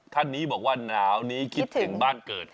ท่านนี้บอกว่าหนาวนี้คิดถึงบ้านเกิด